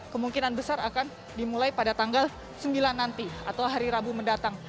kemungkinan besar akan dimulai pada tanggal sembilan nanti atau hari rabu mendatang